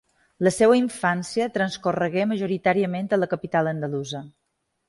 La seua infància transcorregué majoritàriament a la capital andalusa.